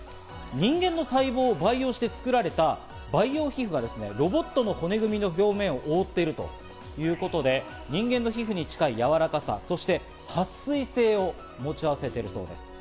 人間の細胞を培養して作られた培養皮膚がロボットの骨組みの表面を覆っているということで、人間の皮膚に近いやわらかさ、そしてはっ水性を持ち合わせています。